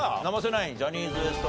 ナインジャニーズＷＥＳＴ